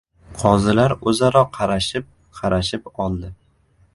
Qozilar o‘zaro qarashib-qarashib oldi.